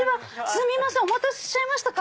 すみませんお待たせしちゃいましたか？